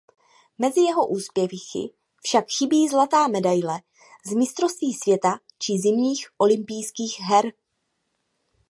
Mezi jeho úspěchy však chybí zlatá medaile z mistrovství světa či Zimních olympijských her.